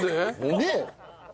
ねえ。